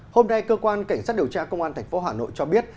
hôm nay cơ quan cảnh sát điều tra công an tp hà nội cho biết